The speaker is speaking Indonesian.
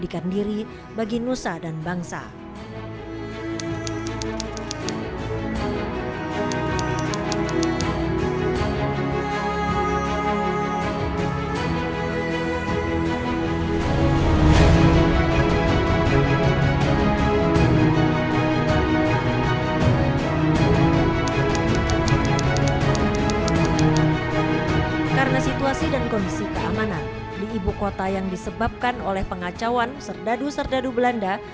karena situasi dan kondisi keamanan di ibu kota yang disebabkan oleh pengacauan serdadu serdadu belanda